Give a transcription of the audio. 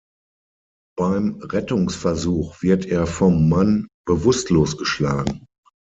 Beim Rettungsversuch wird er vom Mann bewusstlos geschlagen.